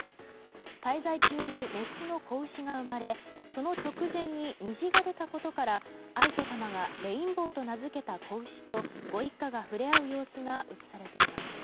滞在中にメスの子牛が生まれその直前に虹が出たことから愛子さまがレインボーと名付けた子牛とご一家が触れ合う様子が写されています。